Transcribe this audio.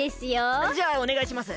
じゃあおねがいします。